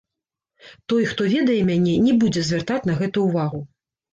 Той, хто ведае мяне, не будзе звяртаць на гэта ўвагу.